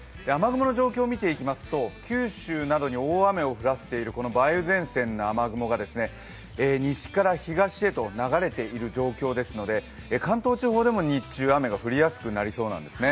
雨雲の状況を見ていきますと、九州などに大雨を振らせている梅雨前線の雨雲が西から東へと流れている状況なので関東地方でも日中、雨が降りやすくなりそうなんですね。